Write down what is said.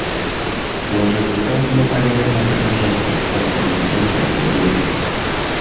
Los resultados no variaron apenas respecto a los de elecciones anteriores.